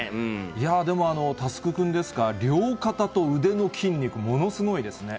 いやでも、奨君ですか、両肩と腕の筋肉、ものすごいですね。